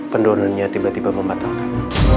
pendonornya tiba tiba membatalkan